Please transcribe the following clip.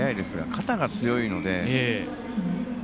肩が強いので。